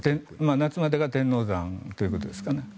夏までが天王山ということですかね。